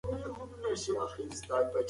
مصالحې بدن بوی بدلوي.